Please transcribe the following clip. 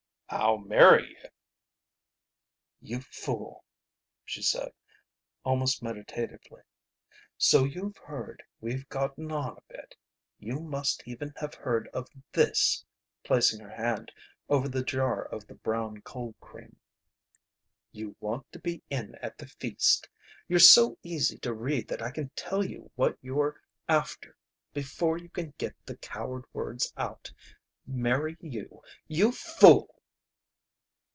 "I'll marry you." "You fool!" she said, almost meditatively. "So you've heard we've gotten on a bit. You must even have heard of this" placing her hand over the jar of the Brown Cold Cream. "You want to be in at the feast. You're so easy to read that I can tell you what you're after before you can get the coward words out. Marry you! You fool!"